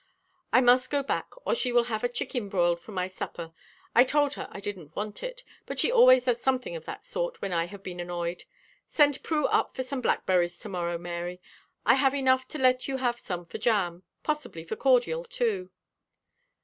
"I must go back, or she will have a chicken broiled for my supper. I told her I didn't want it, but she always does something of that sort when I have been annoyed. Send Prue up for some blackberries to morrow, Mary. I have enough to let you have some for jam possibly for cordial, too."